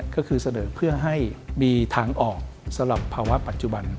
ก็คือเสนอเพื่อให้มีทางออกสำหรับภาวะปัจจุบัน